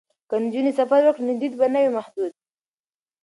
که نجونې سفر وکړي نو دید به نه وي محدود.